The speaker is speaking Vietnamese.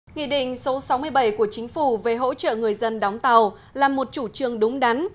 nghị định số sáu mươi bảy của chính phủ về hỗ trợ người dân đóng tàu là một chủ trương đúng đắn